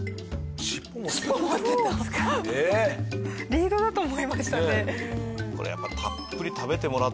リードだと思いましたね。